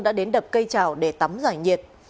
đã đến đập cây chảo để tắm giải nhiệt